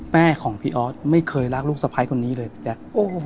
แม่ของพี่ออสไม่เคยรักลูกสะพ้ายคนนี้เลยพี่แจ๊ค